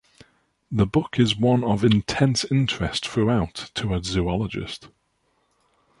The book is one of intense interest throughout to a zoologist.